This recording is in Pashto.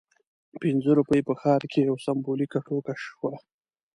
پنځه روپۍ په ښار کې یوه سمبولیکه ټوکه شوه.